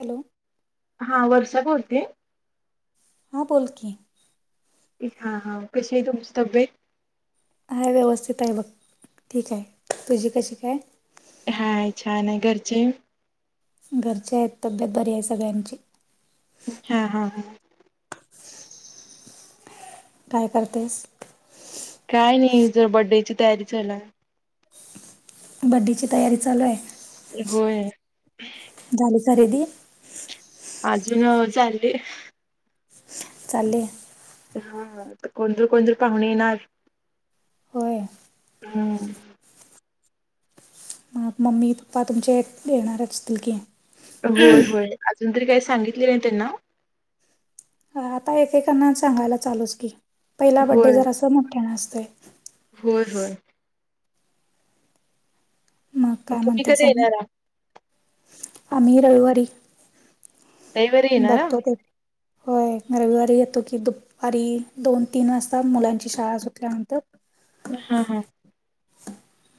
Hello. हा वर्षा बोलेते. हां बोल की हा हा कशी आहे तुमची तब्येत? आहे व्यवस्थित आहे बघ ठीक आहे तुझी कशी काय? हाय छान आहे घरचे. घरचे आहेत तब्येत बरी आहे सगळ्यांची हा हा ह. काय करतेस? काय नाही जरा बड्डेची तयारी चालु आहे. बड्डीची तयारी चालू आहे. होय. झाली खरेदी अजून चालीये. चाले. हा हा कोणतर कोणतर पाहुणे येणार होय हम्. मग मम्मी पप्पा तुमचे येणार असतील की होय होय अजून तरी काही सांगितले नाही त्यांना हा आता एकेकांना सांगायला चालूच की पहिला बड्डे होय जर असं मोठ्या आसतोय. होय होय. मग काय तुम्ही म्हणत्यास कधी आणि येणारा आम्ही रविवारी रविवारी येणारा बघतो ते होय रविवारी येतो की दुपारी दुपारी दोन तीन वाजता मुलांची शाळा सुटल्यानंतर हा हा.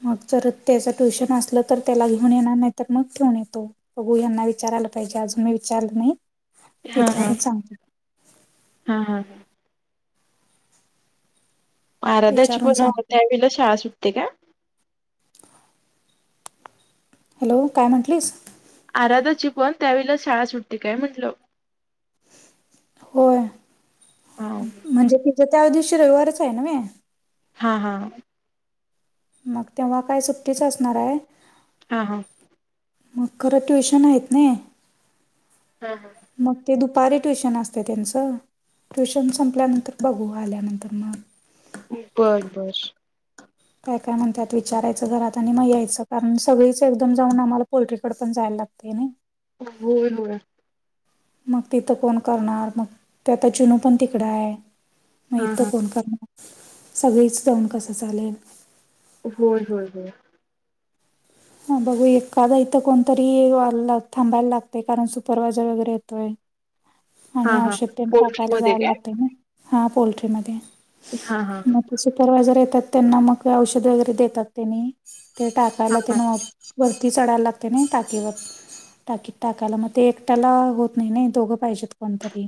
मग जर त्याचं ट्युशन असलं तर त्याला घेऊन येणार नाही तर मग ठेऊन येतो. बघू यांना विचारायला पाहिजे अजून मी विचारलं नाही विचारून सांगतो. हां हां. आराध्याची विचारून पण सांगते. त्यावेळा शाळा सुटते का? हॅलो काय म्हटलीस? आराधाची पण त्यावेळेला शाळा सुटते काय म्हटलं. होय हा म्हणजे तिच्या त्या दिवशी रविवारच आहे नव्हे. हा हा. मग तेव्हा काय सुट्टीच असणार आहे. हां हां. मग खरं ट्युशन आहेत नई. हा हा. मग ते दुपारी ट्युशन असते त्यांचं. ट्युशन संपल्यानंतर बघू आल्यानंतर मग बरं बरं. काय काय म्हणतात विचारायचं घरात आणि मग यायचं कारण सगळीच एकदम जाऊन आम्हाला पोल्ट्रीकडे पण जायला लागतय नाय. [unintelligible] मग तिथं कोण करणार मग ते आता चिनू पण तिकड आहे मग हा इथं हा. कोण करणार? सगळीच जाऊन कसं चालेल होय होय होय. ह बघू एखादा इथं कोणतरी वाल्ला थांबायला लागते कारण सुपरवायझर वगैरे येतोय. हा आणि हा. औषध तेन पोल्ट्री टाकायला मध्ये जायला काय? लागतंय ना हा पोल्ट्री मध्ये. हा हा. सुपरवायझर येतात त्यांना मग औषध वगैरे देतात त्यांनी ते हा टाकायला हा. तेना वरती चढायला लागते नाही टाकीवर. टाकीत टाकायला मग ते एकट्याला होत नाही नाही दोघं पाहिजेत कोणतरी.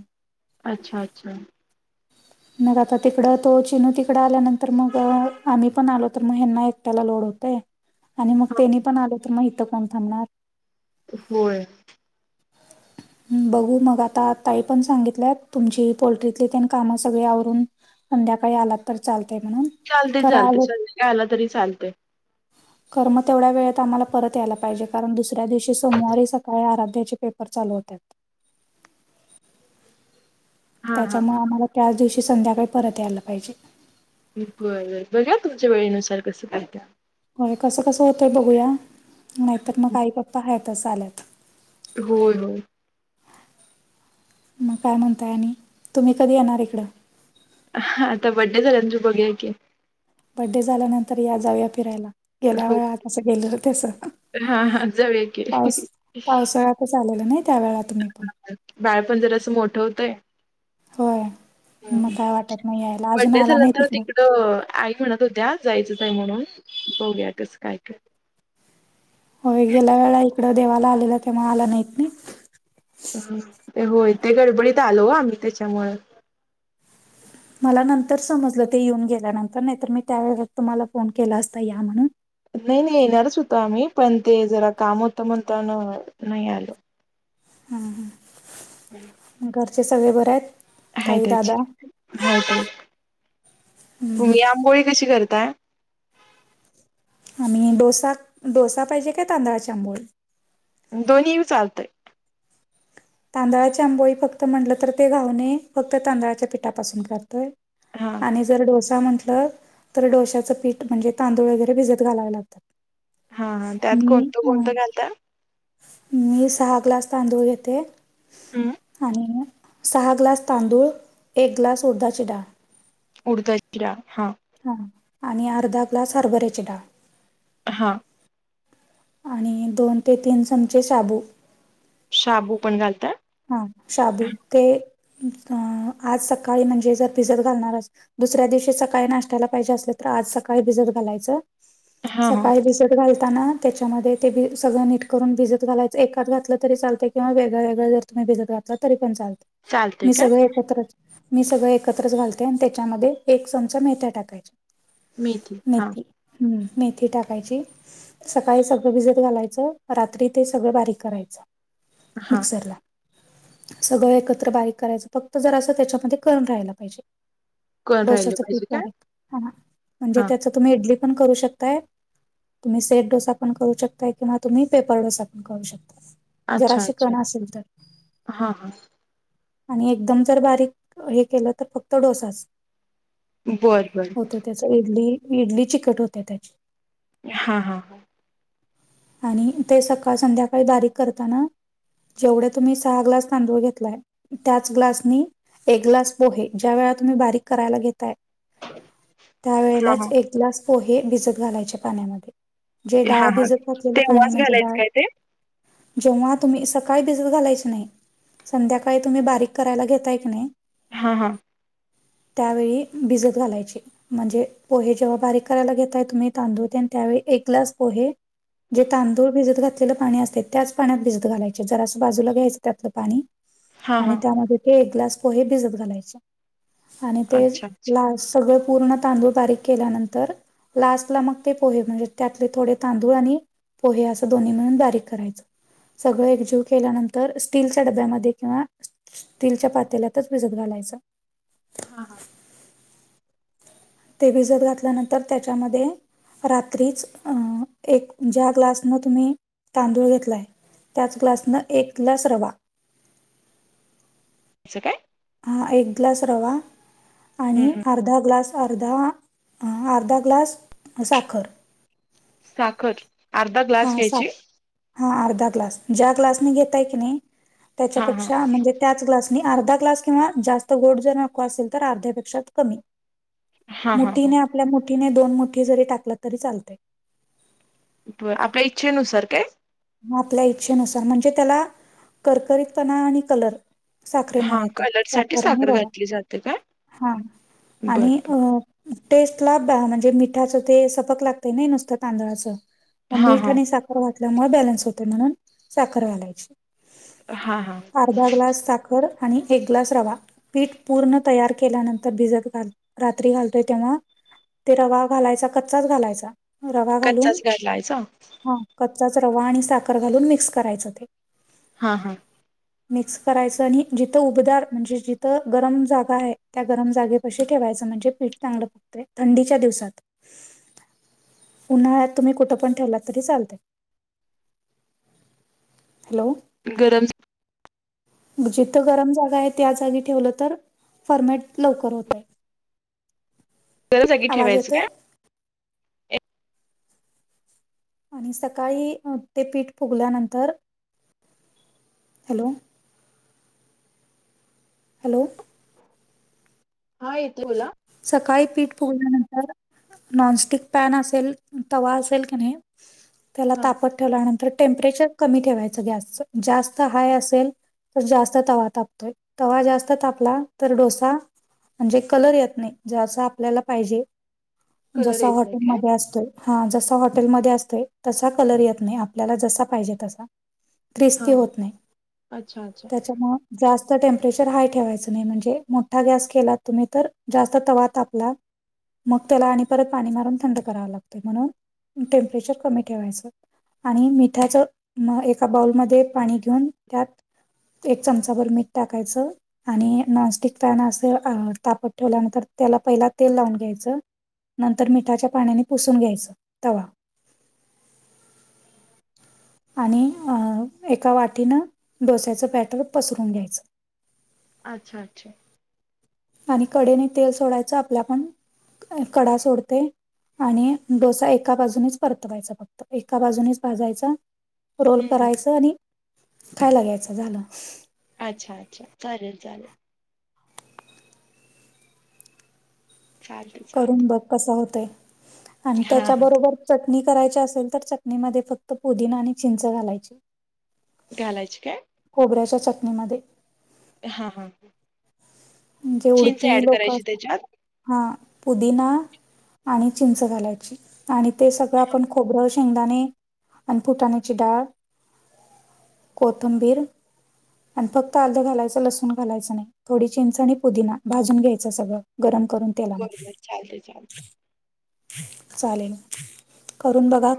अच्छा अच्छा. मग आता तिकडं तो चिनू तिकडं आल्यानंतर मग आम्ही पण आलो तर मग ह्यांना एक ट्याला लोड होते आणि मग तेनी पण आल तर मग इथ कोण थांबणार. होय. बहू मग आातात. ताई पण सांगितल्या तुमची पोल्ट्रीतली तेन काम सगळे आवरून. संध्याकाळी आलात तर चालतय म्हणून. चालते खरं चालते संध्याकाळी आला तरी चालतेय. कर्म तेवढ्या वेळेत आम्हाला परत यायला पाहिजे कारण दुसऱ्या दिवशी सोमवारी सकाळी आराध्याचे पेप पर चालू होत्यात. हा हा. त्याच्यामुळे आम्हाला त्याच दिवशी संध्याकाळी परत यायला पाहिजे. [unintelligible] बरं बघा तुमच्या वेळेनुसार कसं काय त्या होय कसं कसं होतय बघूया नाहीतर मग आई पप्पा हतच आल्यात. होय होय. मग काय म्हणताय आणि तुम्ही कधी येणार इकडं. आता बर्थडे झाल्यावर बघूया की. बर्थडे झाल्यानंतर या जाऊया फिरायला. गेल्या हो. वेळातसं गेलं तस हा हा जाऊया की पाऊ पावसाळ्यात. [unintelligible] आलेलं नाही त्यावेेला तुम्ही पण बाळपण जरा असं मोठं होतंय. होय मग हम् काय वाटत नाही यायला अजून बर्डे आला नाही झाल्यांतर तिकडं अ आई म्हणत होत्या जायचंच आहे म्हणून बघूया कसं काय काय. हो गेल्या वेळा इकडं देवाला आलेला तेव्हा आला नाहीत नाही. ते होय ते गडबडीत आलो आम्ही त्याच्यामुळ. मला नंतर समजलं ते येऊन गेल्यानंतर नाहीतर मी त्यावेळेस तुम्हाला फोन केला असता या म्हणून. नाही नाही येणारच होतो आम्ही पण ते जरा काम होतं म्हणताना नाही आलो. हम्म हम. हम्म. घरचे सगळे बरे आहेत. ह ताई त्याच दादा हम्म. तुम्ही [inaudible] आंबोळी कशी करताय आम्ही डोसा डोसा पाहिजे काय तांदळाची आंबोळी. दोनही चालतय. तांदळाची आंबोळी फक्त म्हटलं तर ते घाऊने फक्त तांदळाच्या पीठापासून करतोय. हा आणि ज जर डोसा म्हंटलं तर डोश्याचं पीठ म्हणजे तांदूळ वगैरे भिजत घालावे लागतात. हा हा त्यात म कोणतं ह कोणतं घालता मी सहा ग्लास तांदूळ घेते. ते [inaudible] आणि सहा ग्लास तांदूळ एक ग्लास उर्दची डाळ. उडता डाळ हा. हां आणि अर्धा ग्लास हरभऱ्याची डाळ. हां. आणि दोन ते तीन चमचे शाबू. शाबू पण घालता? हा शाबू ते आज सकाळी म्हणजे जर भिजत घालणार अस दुसऱ्या दिवशी सकाळी नाश्त्याला पाहिजे असल तर आज सकाळी भिजत घालायचं. हा हा सकाळी भिजत घालताना त्याच्यामध्ये ते भी सगळं नीट करून भिजत घालायचं एककाात घातलं तरीचालतं किं वेळ वेगळ्या जर तुम्ही भिजत घातला तरी पण चालत चालतय मी काय सगळ एकत्र मी सगळं एकत्रच घालते आणि त्याच्यामध्ये एक चमचा मेथ्या टाकायचे. मेथी हम्म मेथी टाकायची. सकाळी सगळं भिजत घालायचं रात्री ते सगळं बारीक करायचं हा मिक्सरला. सगळं एकत्र बारीक करायचं फक्त जर असं त्याच्यामध्ये करण राहायला पाहिजे. कोण राहिलं डोश्याच पीठ पाहिजे काय बारीक हा म्हणजे हा त्याच तुम्ही इडली पण करू शकताय. तुम्ही सेट डोसा पण करू शकताय किंवा तुम्ही पेपर डोसा पण करू शकताय. जर अच्छा अशी अच्छा कण असेल तर हां हां! आणि एकदम जर बारीक हे केलं तर फक्त डोसाच बरं बरं! होतो त्याच इडली इडली चिकट होते त्याची. हा हा! आणि ते सकाळ संध्याकाळी बारीक करताना. जेवढ्या तुम्ही सहा ग्लास तांदूळ घेतलाय त्याच ग्लासनी एक ग्लास पोहे ज्या वेळा तुम्ही बारीक करायला घेताय. हा त्यावेळेलाच हा एक ग्लास पोहे भिजत घालायचे पाण्यामध्ये. जे हा डाळ हा भिजत घातलेलं पाणी तेव्हाच म्हणजे घालायचं डाळ काय ते जेव्हा तुम्ही सकाळी भिजत घालायच नाही संध्याकाळी तुम्ही बारीक करायला घेताय का नाही. हा हा! त्यावेळी भिजत घालायचे. म्हणजे पोहे जेव्हा बारीक करायला घेतताय तुम्ही तांदूळते आणि त्यावेळी एक ग्लास पोहे जे तांदूळ भिजत घातलेलं पाणी असते त्याच पाण्यात भिजत घालायचे जरा असं बाजूला घ्यायचं त्यातलं पाणी. हां, आणि हां. त्यामध्ये ते एक ग्लास पोहे भिजत घालायचे आणि ते अच्छा, अच्छा. लास सगळं पूर्ण तांदूळ बारीक केल्यानंतर लास्ट ला मग ते पोहे म्हणजे त्यातले थोडे तांदूळ आणि पोहे असं दोन्ही मिळून बारीक करायचं सगळं एकजीव केल्यानंतर स्टीलच्या डब्यामध्ये किंवा स्टीलच्या पात्यालातच भिजत घालायचं. हा हा! ते भिजत घातल्यानंतर त्याच्यामध्ये रात्रीच अ एक ज्या ग्लासन तुम्ही तांदूळ घेतलाय. त्याच ग्लासनं एक ग्लास रवा. आस काय! हा एक ग्लास रवा हं, आणि हं. अर्धा ग्लास अर्धा अर्धा ग्लास साखर! साखर अर्धा ग्लास घ्यायची? हा अर्धा ग्लास ज्या ग्लास ने घेताय की नाही हां, हां. त्याच्यापेक्षा म्हणजे त्याच ग्लासनी अर्धा ग्लास किंवा जास्त गोड जर नको असेल तर अर्ध्यापेक्षा कमी. हां, हां, हां. मुठीने आपल्या मुठीने दोन मुठी जरी टाकलं तरी चालतय. आपल्या इच्छेनुसार काय? आपल्या इच्छेनुसार म्हणजे त्याला करकरीतपणा आणि कलर साखरेमुळे हां, येते कलरसाठी साखर आणि रवा घातली जाते काय? हा बरं, आणि बरं. अ टेस्ट ला म्हणजे मिठाचं ते सपक लागतय नाही नुसतं तांदळाचं. हां, मीठ हां. आणि साखर घातल्यामुळे बॅलन्स होतय म्हणून साखर घालायची. हा हा! अर्धा ग्लास साखर आणि एक ग्लास रवा पीठ पूर्ण तयार केल्यानंतर भिजत घा रात्री घालतोय तेव्हा ते रवा घालायचा कच्चाच घालायचा रवा घालून कच्चाच घालायचा? हा कच्चाच रवा आणि साखर घालून मिक्स करायचं ते हा हा मिक्स करायचं आणि जिथं उबदार म्हणजे जिथं गरम जागा आहे त्या गरम जागेपाशी ठेवायचं म्हणजे फीठ चांगलं फघतंय थंडीच्या दिवसात ह उन्हाळ्यातुम्ही कुठं पण ठेवत तरी चालते हॅलो गरम जिथं गरम जागा आहे त्या जागी ठेवलं तर फॉर्मेट लवकर होत आहे गरजगी आवाज ठेवायचं येतोय? का आणि सकाळी ते पीठ फुगल्यानंतर हॅलो हॅलो हा येते बोला सकाळी पीठ पुगल्यानंतर नॉनस्टिक पॅन असेल तवा असेल की नाही त्याला हां. तापत ठेवल्यानंतर टेमपरेचर कमी ठेवायचं गॅस जास्त हाय असेल तर जास्त तवा तापतोय तवा जास्त आपला तर डोसा म्हणजे कलर येत नाही ज आपल्याला पाहिजे कलर जस येत नाही काय? हॉटेलमध्येध्ये असतो हा जसा हॉटेलमध्ये असत तसा कलर येत नाही आपल्याला जसा पाहिजे तसा हां, ख्रिस्ती हां. होत नाही अच्छा, अच्छा. त्याच्यामु जास्त टेम्परेचर हाय ठेवायचं नाही म्हणजे मोठा गॅस केला तुम्ही तर जास्त. वाात आपला. मग त्याला आणि परत पाणी मारून थंड करावं लागतं म्हणून टेम्परेचर कमी ठेवायचं आणि मिठाच एका बाऊलमध्ये पाणी घेऊन त्यात. एक चमचा भर मीठ टाकायचं. आणि नॉनस्टिक पॅन असं तापत ठेवल्यानंतर त्याला पहिला तेल लावून घ्यायचं नंतर मिठाच्या पाण्याने पुसून घ्यायचं तवा. [inaudible] आणि एका वाटीनं डोस्याचं पॅटर पसरून घ्यायचं अच्छा अच्छा आणि कडेने तेल सोडायचं आपल्या पण कढा सोडते. आणि डोसा एका बाजूनच परतवायचा फक्त एका बाजूनच भाजायचा. रोल हं, हं. करायचं आणि खायला घ्यायचं झालं अच्छा अच्छा चालेल चालेल साधू करून बघ कस होतंय आणि हां, हां. त्याच्याबरोबर चटणी करायची असेल तर चटणीमध्ये फक्त पुदिना आणि चिंच घालायची कालाज काय खोबऱ्याच्या चटणीमध्ये हा हा म्हणजे उडपी लोक करायची अस त्याच्यात हा पुदिना आणि चिंच घालायची आणि ते सगळं आपण खोरं शेंगदाणे आणि फुटाण्याची डाळ कोथंबीर आणि फक्त अर्धं घालायचं लसूण घालायचं नाही थोडी चिंचणी पुदीिना भाजून घ्यायचं सगळं गरम करून तेलामध्ये बरोबर चालते चालते. चालेल करून बघा